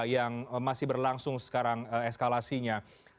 yang masih berlangsung sekarang eskalasinya